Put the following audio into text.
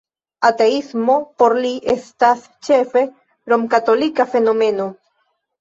Ateismo por li estas ĉefe romkatolika fenomeno!